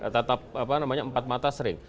tetap apa namanya empat mata sering